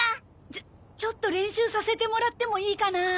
ちょちょっと練習させてもらってもいいかな？